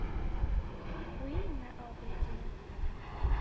Wî neavêtiye.